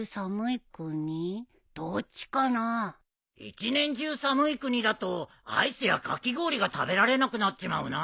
一年中寒い国だとアイスやかき氷が食べられなくなっちまうな。